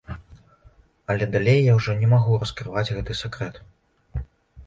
Але далей я ўжо не магу раскрываць гэты сакрэт.